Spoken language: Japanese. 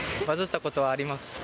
バズったことはあります。